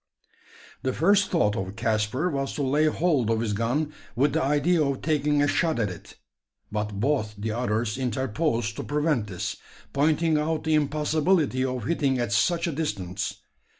The first thought of Caspar was to lay hold of his gun with the idea of taking a shot at it; but both the others interposed to prevent this pointing out the impossibility of hitting at such a distance.